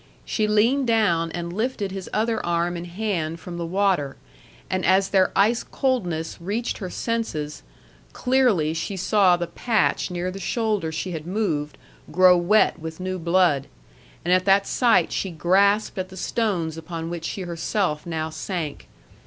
She leaned down and lifted his other arm and hand from the water, and as their ice coldness reached her senses, clearly she saw the patch near the shoulder she had moved grow wet with new blood, and at that sight she grasped at the stones upon which she herself now sank.